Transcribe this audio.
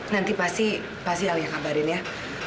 nanti pasti pasti alia kabarin ya